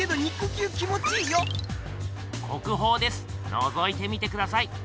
のぞいてみてください。